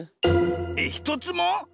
えっひとつも？